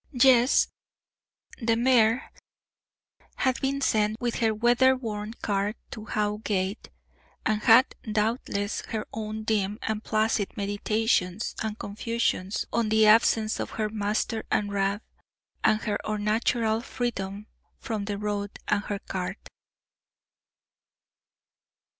Jess, the mare, had been sent, with her weatherworn cart, to Howgate, and had doubtless her own dim and placid meditations and confusions, on the absence of her master and Rab, and her unnatural freedom from the road and her cart.